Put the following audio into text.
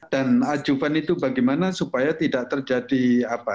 dan adjuvan itu bagaimana supaya tidak terjadi apa